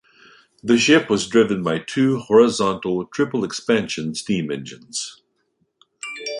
The ship was driven by two horizontal triple expansion steam engines.